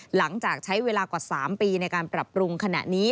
หลังจากใช้เวลากว่า๓ปีในการปรับปรุงขณะนี้